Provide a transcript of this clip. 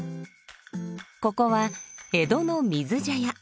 ここは江戸の水茶屋